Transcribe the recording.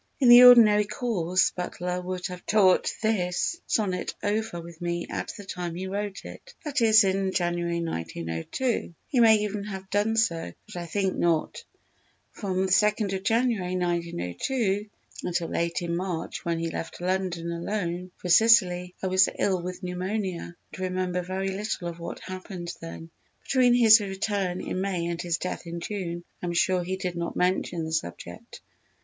In the ordinary course Butler would have talked this Sonnet over with me at the time he wrote it, that is in January, 1902; he may even have done so, but I think not. From 2_nd_ January, 1902, until late in March, when he left London alone for Sicily, I was ill with pneumonia and remember very little of what happened then. Between his return in May and his death in June I am sure he did not mention the subject.